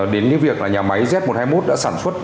đến cái việc là nhà máy z một trăm hai mươi một đã sản xuất